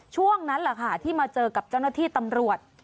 ช่วงนั้นแหละค่ะที่มาเจอกับเจ้าหน้าที่ตำรวจ